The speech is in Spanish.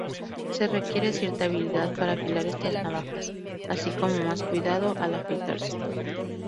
Se requiere cierta habilidad para afilar estas navajas, así como más cuidado al afeitarse.